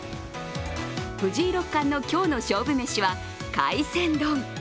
藤井六冠の今日の勝負めしは海鮮丼。